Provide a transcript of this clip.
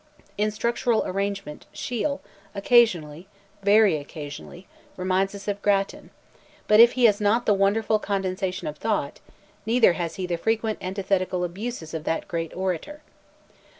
In structural arrangement, Shiel, occasionally—very occasionally—reminds us of Grattan; but if he has not the wonderful condensation of thought, neither has he the frequent antithetical abuses of that great orator.